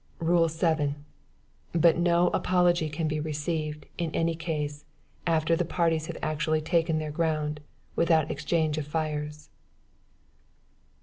"Rule 7. But no apology can be received, in any case, after the parties have actually taken their ground, without exchange of fires.